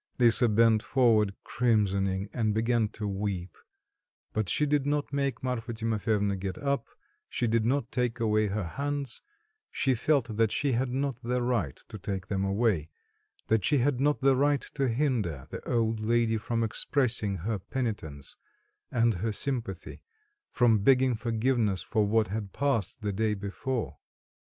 Lisa bent forward, crimsoning and began to weep, but she did not make Marfa Timofyevna get up, she did not take away her hands, she felt that she had not the right to take them away, that she had not the right to hinder the old lady from expressing her penitence, and her sympathy, from begging forgiveness for what had passed the day before.